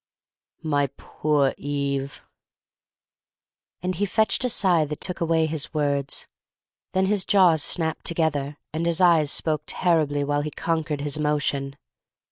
"My poor Eve!" And he fetched a sigh that took away his words; then his jaws snapped together, and his eyes spoke terribly while he conquered his emotion.